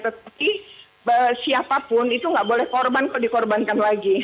tapi siapapun itu nggak boleh korban kalau dikorbankan lagi